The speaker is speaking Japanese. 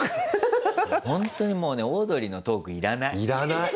ほんとにもうねオードリーのトーク要らない。